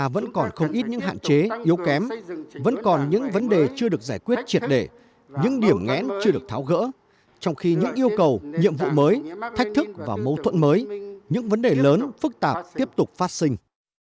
vẫn còn không ít những hạn chế yếu kém vẫn còn những vấn đề chưa được giải quyết triệt đề những điểm ngén chưa được tháo gỡ trong khi những yêu cầu nhiệm vụ mới thách thức và mâu thuẫn mới những vấn đề lớn phức tạp tiếp tục phát sinh